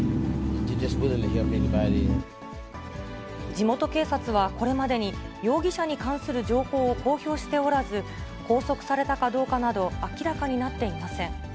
地元警察はこれまでに容疑者に関する情報を公表しておらず、拘束されたかどうかなど、明らかになっていません。